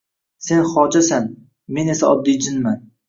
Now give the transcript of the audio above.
Sen xojasan. Men esa oddiy jinman.